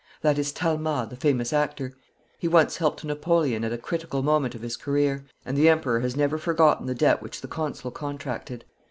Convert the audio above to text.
That is Talma the famous actor. He once helped Napoleon at a critical moment of his career, and the Emperor has never forgotten the debt which the Consul contracted.